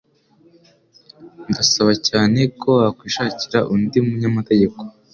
Ndasaba cyane ko wakwishakira undi munyamategeko.